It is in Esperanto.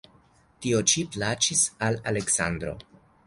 Tio ĉi plaĉis al Aleksandro.